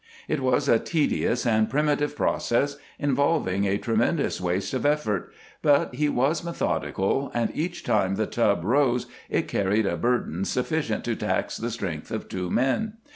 It was a tedious and primitive process, involving a tremendous waste of effort, but he was methodical, and each time the tub rose it carried a burden sufficient to tax the strength of two men.